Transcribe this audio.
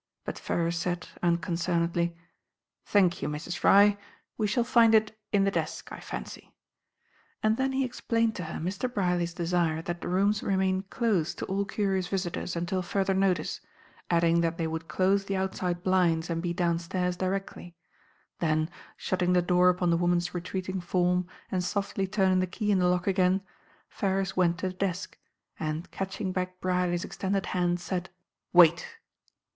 But Ferrars said, unconcernedly, "Thank you, Mrs. Fry; we shall find it in the desk, I fancy," and then he explained to her Mr. Brierly's desire that the rooms remain closed to all curious visitors until further notice, adding that they would close the outside blinds and be downstairs directly; then, shutting the door upon the woman's retreating form, and softly turning the key in the lock again, Ferrars went to the desk, and, catching back Brierly's extended hand, said, "Wait!"